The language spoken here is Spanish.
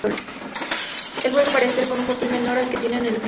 En vuelve a aparecer con un papel menor al que tiene en el videojuego.